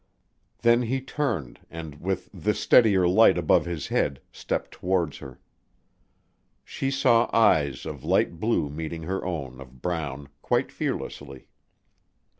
Then he turned and, with this steadier light above his head, stepped towards her. She saw eyes of light blue meeting her own of brown quite fearlessly.